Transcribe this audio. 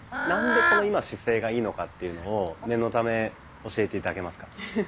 なんでこの姿勢がいいのかっていうのを念のため教えて頂けますか？